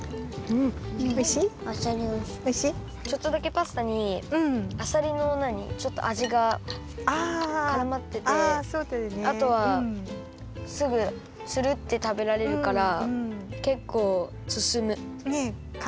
ちょっとだけパスタにあさりのあじがからまっててあとはすぐツルッてたべられるからけっこうすすむ。